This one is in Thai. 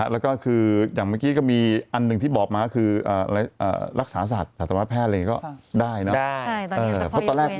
แล้วก็คืออย่างเมื่อกี้ก็มีอันหนึ่งที่บอกมาคือรักษาสัตว์แพทย์อะไรอย่างนี้ก็ได้เนอะ